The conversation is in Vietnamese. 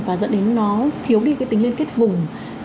và dẫn đến nó thiếu đi cái tính liên kết vùng